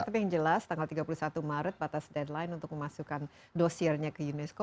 tapi yang jelas tanggal tiga puluh satu maret batas deadline untuk memasukkan dosiernya ke unesco